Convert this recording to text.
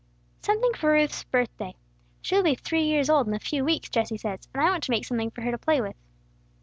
"Something for Ruth's birthday. She will be three years old in a few weeks, Jesse says, and I want to make something for her to play with."